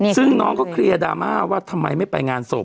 ซึ่งน้องเขาเคลียร์ดราม่าว่าทำไมไม่ไปงานศพ